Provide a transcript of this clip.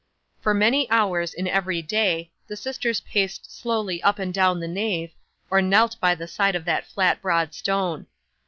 'For many hours in every day, the sisters paced slowly up and down the nave, or knelt by the side of the flat broad stone.